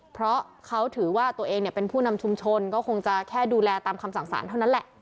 เพราะเขาถือว่าตัวเองเป็นผู้นำชุมชนก็คงจะแค่ดูแลตามคำสั่งสารเท่านั้นแหละ